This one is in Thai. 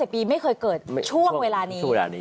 ปีไม่เคยเกิดช่วงเวลานี้